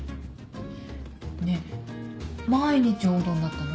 ねえ毎日おうどんだったの？